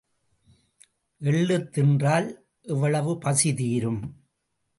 எள்ளுத் தின்றால் எள்ளளவு பசி தீரும்.